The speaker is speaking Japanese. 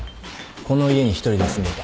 この家に一人で住んでいた。